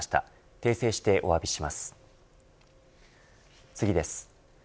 訂正してお詫びします。